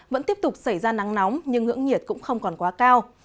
vẫn tiếp tục xảy ra nắng nóng nhưng ngưỡng nhiệt cũng không còn quá cao